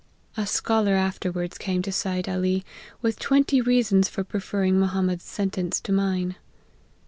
A scholar afterwards came to Seid Ali, with twenty reasons for preferring Mohammed's sentence to mine."